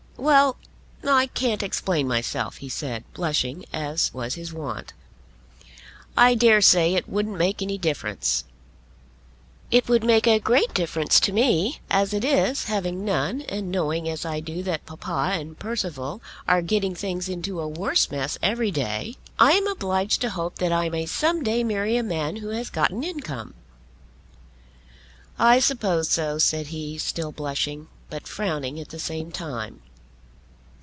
"Well; I can't explain myself," he said, blushing as was his wont. "I daresay it wouldn't make any difference." "It would make a great difference to me. As it is, having none, and knowing as I do that papa and Percival are getting things into a worse mess every day, I am obliged to hope that I may some day marry a man who has got an income." "I suppose so," said he, still blushing, but frowning at the same time.